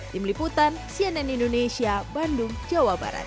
tim liputan cnn indonesia bandung jawa barat